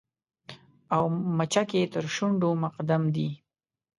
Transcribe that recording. او مچکې تر شونډو مقدم دې